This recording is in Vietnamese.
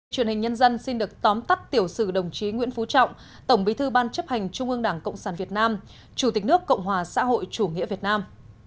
truyền hình nhân dân xin được tóm tắt tiểu sử đồng chí nguyễn phú trọng tổng bí thư ban chấp hành trung ương đảng cộng sản việt nam chủ tịch nước cộng hòa xã hội chủ nghĩa việt nam